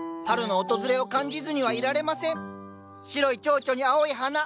春の訪れを感じずにはいられません白いチョウチョに青い花。